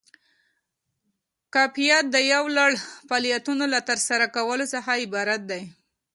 کفایت د یو لړ فعالیتونو له ترسره کولو څخه عبارت دی.